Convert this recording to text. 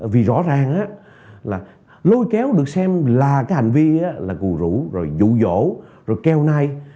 vì rõ ràng á lôi kéo được xem là cái hành vi là cù rũ rồi dụ dỗ rồi kéo nai